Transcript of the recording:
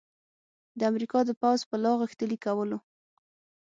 د امریکا د پوځ په لاغښتلي کولو